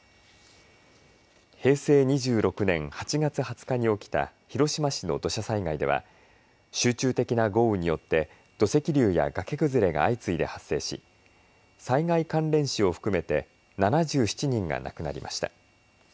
平成２６年８月２０日に起きた広島市の土砂災害では集中的な豪雨によって土石流や崖崩れが相次いで発生し災害関連死を含めて７７人が亡くなりました。